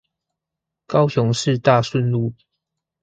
高雄市大順路